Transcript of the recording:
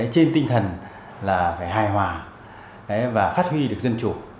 trên tinh thần là phải hài hòa và phát huy được dân chủ